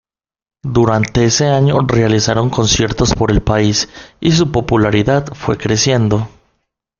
Durante ese año realizaron conciertos por el país y su popularidad fue creciendo.